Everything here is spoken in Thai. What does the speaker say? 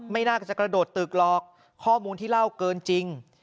ไม่น่าจะกระโดดตึกหรอกข้อมูลที่เล่าเกินจริง